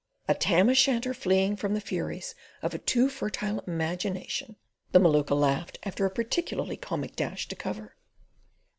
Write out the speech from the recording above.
"A Tam o Shanter fleeing from the furies of a too fertile imagination," the Maluka laughed after a particularly comical dash to cover.